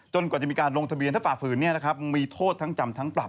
กว่าจะมีการลงทะเบียนถ้าฝ่าฝืนมีโทษทั้งจำทั้งปรับ